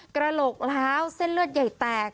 กระโหลกล้าวเส้นเลือดใหญ่แตก